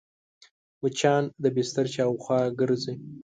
مچان د بستر شاوخوا ګرځي